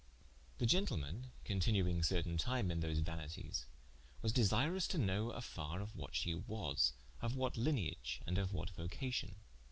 The gentleman continuing certaine time in those vanities, was desirous to know a far of what she was, of what lineage and of what vocation.